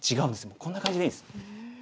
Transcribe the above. もうこんな感じでいいんです。